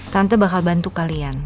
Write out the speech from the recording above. tante bakal bantu kalian